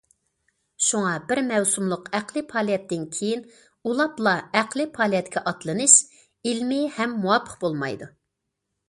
شۇڭا بىر مەۋسۇملۇق ئەقلىي پائالىيەتتىن كېيىن ئۇلاپلا ئەقلىي پائالىيەتكە ئاتلىنىش ئىلمىي ھەم مۇۋاپىق بولمايدۇ.